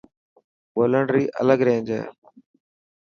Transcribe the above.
ٻولڻ ري الگ رينج هي.